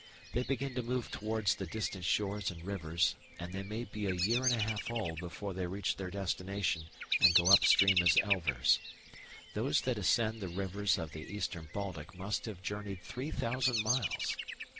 They begin to move towards the distant shores and rivers, and they may be a year and a half old before they reach their destination and go up stream as elvers. Those that ascend the rivers of the Eastern Baltic must have journeyed three thousand miles.